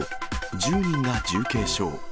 １０人が重軽傷。